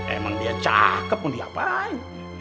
emang dia cakep mau diapain